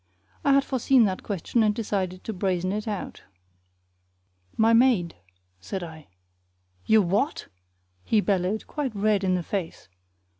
I had foreseen that question and decided to brazen it out. "My maid," said I. "Your what?" he bellowed, quite red in the face.